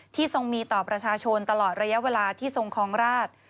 ทรงมีต่อประชาชนตลอดระยะเวลาที่ทรงคลองราช